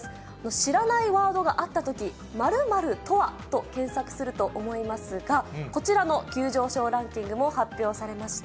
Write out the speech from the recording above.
知らないワードがあったとき、〇〇とはと検索すると思いますが、こちらの急上昇ランキングも発表されました。